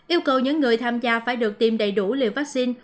yêu cầu những người tham gia phải được tiêm đầy đủ liều vaccine